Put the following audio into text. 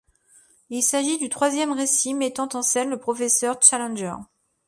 Il s'agit du troisième récit mettant en scène le professeur Challenger.